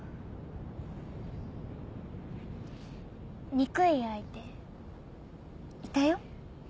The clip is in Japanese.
憎い相手いたよ。